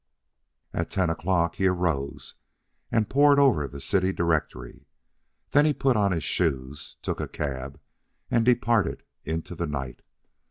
At ten o'clock he arose and pored over the city directory. Then he put on his shoes, took a cab, and departed into the night.